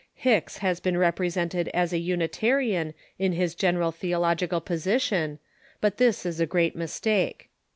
Hicks has been represented as a Unitarian in his general theological position, but this is a great mistake.